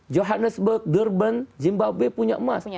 johannesburg durban zimbabwe punya emas